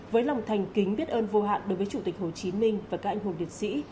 với lòng thành kính biết ơn vô hạn đối với chủ tịch hồ chí minh và các anh hùng liệt sĩ